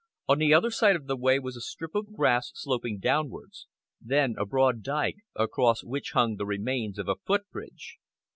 On the other side of the way was a strip of grass, sloping downwards; then a broad dyke, across which hung the remains of a footbridge.